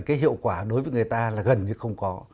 cái hiệu quả đối với người ta là gần như không có